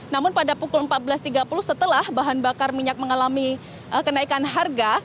namun pada pukul empat belas tiga puluh setelah bahan bakar minyak mengalami kenaikan harga